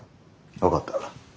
分かった。